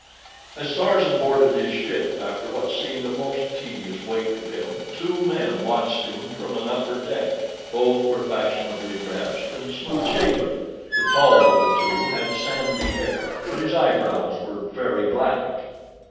As Tarzan boarded his ship after what seemed a most tedious wait to him, two men watched him from an upper deck. Both were fashionably dressed and smooth shaven. The taller of the two had sandy hair, but his eyebrows were very black.